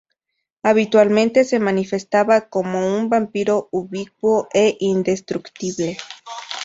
Habitualmente, se manifestaba como un vampiro ubicuo e indestructible.